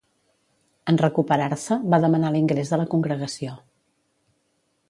En recuperar-se, va demanar l'ingrés a la congregació.